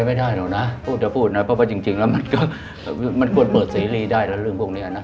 มันถึงจริงแล้วมันก็ควรเปิดซีรีย์ได้แล้วเรื่องพวกนี้